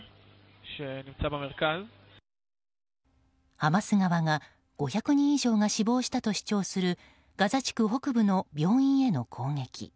ハマス側が５００人以上が死亡したと主張するガザ地区北部の病院への攻撃。